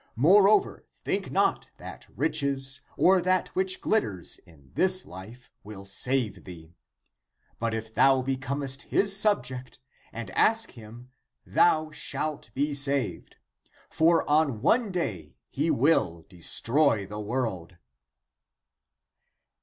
Moreover, think not that> ^ riches or that which glitters in this life will save thee; but if thou becomest his subject and ask him, thou shalt be saved. For on one day he will destroy the world."